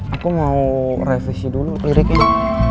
aku mau revisi dulu liriknya